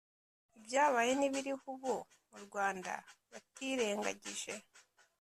ibyabaye n'ibiriho ubu mu rwanda, batirengagije